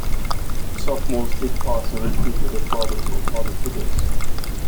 Sophomores take part in a retreat with their fathers or father-figures.